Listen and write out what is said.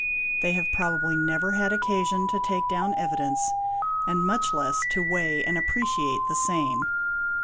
They have probably never had occasion to take down evidence, and much less to weigh and appreciate the same.